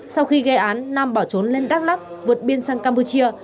sau khi gây án nam bỏ trốn lên đắk lắc vượt biên sang campuchia